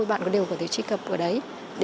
bạn có đều có thể truy cập ở đấy